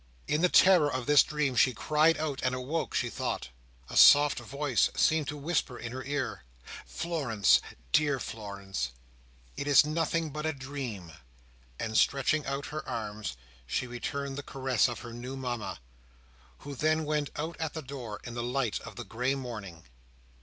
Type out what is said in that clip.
In the terror of this dream, she cried out and awoke, she thought. A soft voice seemed to whisper in her ear, "Florence, dear Florence, it is nothing but a dream!" and stretching out her arms, she returned the caress of her new Mama, who then went out at the door in the light of the grey morning.